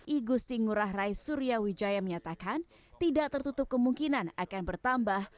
igusti ngurah rai surya wijaya menyatakan tidak tertutup kemungkinan akan bertambah